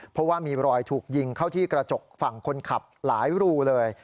เพราะว่ามีรอยถูกยิงเข้าที่กระจกฝั่งคนขับหลายรูเลย